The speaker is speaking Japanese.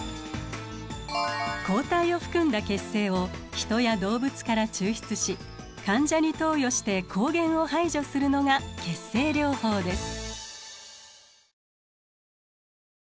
抗体を含んだ血清をヒトや動物から抽出し患者に投与して抗原を排除するのが血清療法です。